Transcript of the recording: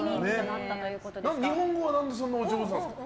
日本語は何でそんなにお上手なんですか？